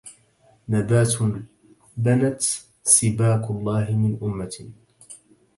نبات بنت سباك الله من أمة